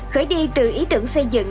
khởi đi từ ý tưởng xây dựng